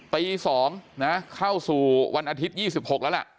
ตี๒นะครับเข้าสู่วันอาทิตยี่สิบหกแล้วล่ะ